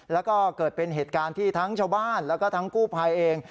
แล้วก็เกิดเป็นเหตุการณ์ที่ทั้งชาวบ้านแล้วก็ทั้งกู้ภัยเอง